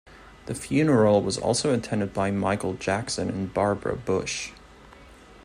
The funeral was also attended by Michael Jackson and Barbara Bush.